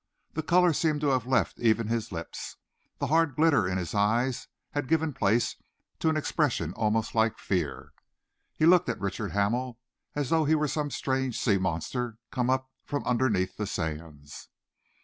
The colour seemed to have left even his lips. The hard glitter in his eyes had given place to an expression almost like fear. He looked at Richard Hamel as though he were some strange sea monster come up from underneath the sands.